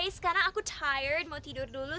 sekarang aku thire mau tidur dulu